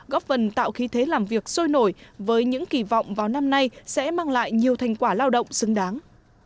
góp phần tạo khí thế làm việc sôi nổi với những kỳ vọng vào năm nay sẽ mang lại nhiều thành quả lao động xứng đáng